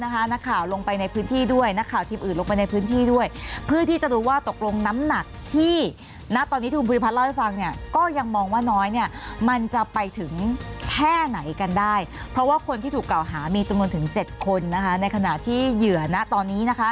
ให้ผิดความสงสังที่ก็ยังมองว่าน้อยเนี่ยมันจะไปถึงแค่ไหนกันได้เพราะว่าคนที่ถูกกล่าวหามีจดมนต์ถึง๗คน